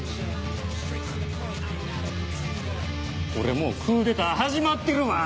これもうクーデター始まってるわ！